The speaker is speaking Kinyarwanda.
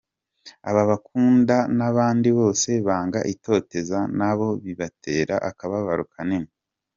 Ababakunda n’abandi bose banga itoteza na bo bibatera akababaro kanini.